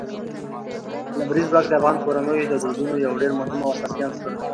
لمریز ځواک د افغان کورنیو د دودونو یو ډېر مهم او اساسي عنصر دی.